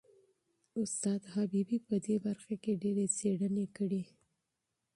استاد حبیبي په دې برخه کې ډېرې څېړنې کړي.